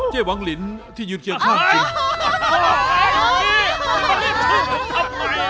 เจ๊วังลินที่ยืนเกียงข้าจีบ